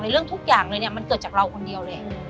เรื่องทุกอย่างเลยเนี่ยมันเกิดจากเราคนเดียวเลย